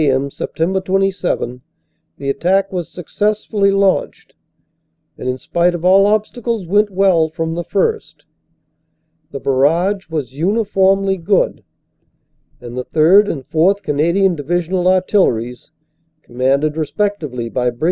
m., Sept. 27, the attack was successfully launched, and in spite of all obstacles went well from the first. "The barrage was uniformly good, and the 3rd. and 4th. Canadian Divisional Artilleries, commanded respectively by Brig.